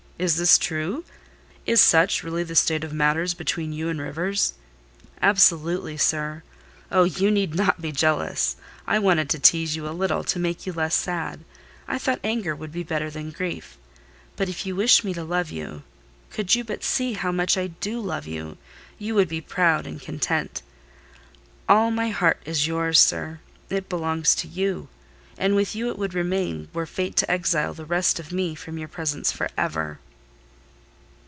Is this true? Is such really the state of matters between you and Rivers?" "Absolutely, sir! Oh, you need not be jealous! I wanted to tease you a little to make you less sad: I thought anger would be better than grief. But if you wish me to love you, could you but see how much I do love you, you would be proud and content. All my heart is yours, sir: it belongs to you; and with you it would remain, were fate to exile the rest of me from your presence for ever."